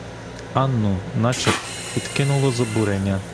Анну начеб підкинуло з обурення.